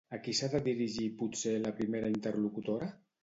A qui s'ha de dirigir potser la primera interlocutora?